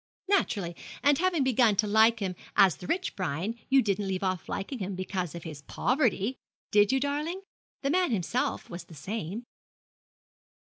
'Naturally; and having begun to like him as the rich Brian, you didn't leave off liking him because of his poverty did you, darling? The man himself was the same.'